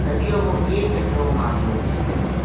لَدیو وو ایک کچرو ماریو